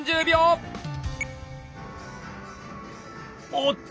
おっと！